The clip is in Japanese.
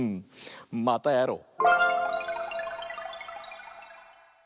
またやろう！